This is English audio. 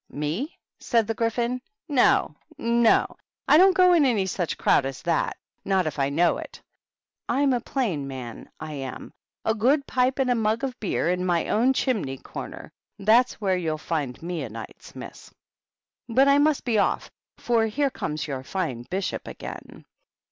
" Me ?" said the Gryphon. " No, no / I don't go in any such crowd as that ; not if I know it. I'm a plain man, I am. A good pipe and a mug of beer, and my own chimney corner, — that's where you'll find me o' nights, miss. But I must be off, for here comes your fine Bishop again.